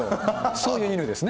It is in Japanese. そういう犬ですね。